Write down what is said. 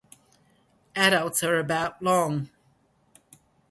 Adults are about long.